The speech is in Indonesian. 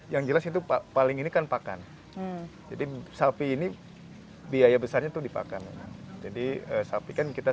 yang jelas itu pak paling ini kan pakan jadi sapi ini biaya besarnya itu dipakai jadi sapikan kita